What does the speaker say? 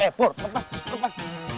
eh pur lepas lepas